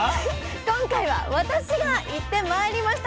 今回は私が行ってまいりました。